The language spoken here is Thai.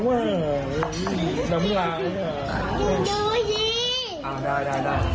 อ่าได้ต้อนหน่อย